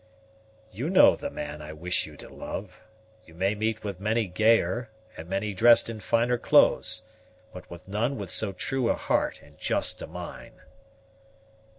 "You know the man I wish you to love. You may meet with many gayer, and many dressed in finer clother; but with none with so true a heart and just a mind."